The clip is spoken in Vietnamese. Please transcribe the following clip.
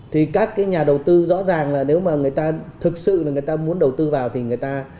thì các cái nhà đầu tư rõ ràng là nếu mà người ta thực sự là người ta muốn đầu tư vào thì người ta